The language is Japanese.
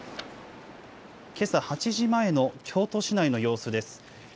けさ８時前の京都市内の様子です。